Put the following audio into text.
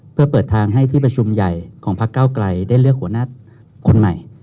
เพื่อเปิดทางให้ที่ประชุมใหญ่ของพักเก้าไกลได้เลือกหัวหน้าคนใหม่